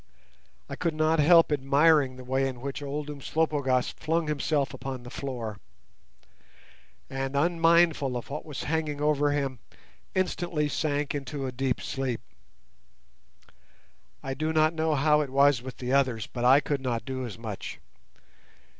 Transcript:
I could not help admiring the way in which old Umslopogaas flung himself upon the floor, and, unmindful of what was hanging over him, instantly sank into a deep sleep. I do not know how it was with the others, but I could not do as much.